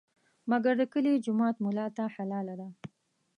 مګر د کلي جومات ملا ته حلاله ده.